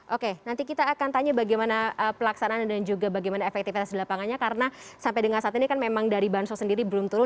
oke nanti kita akan tanya bagaimana pelaksanaan dan juga bagaimana efektivitas di lapangannya karena sampai dengan saat ini kan memang dari bansos sendiri belum turun